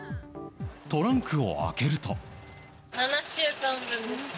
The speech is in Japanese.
トランクを開けると。